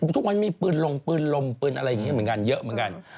ทุกวันมีปืนลงปืนลมปืนอะไรเยอะเหมือนกัน